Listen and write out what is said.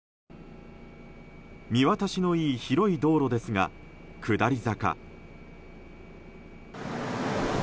見渡しのいい広い道路ですが下り坂。